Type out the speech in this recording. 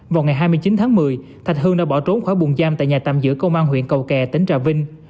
vào ngày hai mươi chín tháng một mươi thạch hưng đã bỏ trốn khỏi buồn giam tại nhà tạm giữ công an huyện cầu kè tỉnh trà vinh